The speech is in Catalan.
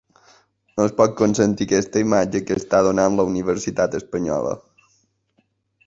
No es pot consentir aquesta imatge que està donant la universitat espanyola.